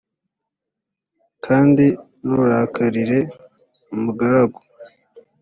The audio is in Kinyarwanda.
kandi nturakarire umugaragu